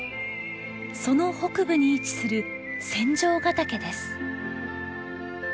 その北部に位置する仙丈ヶ岳です。